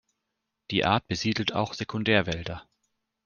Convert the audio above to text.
Die Art besiedelt auch Sekundärwälder.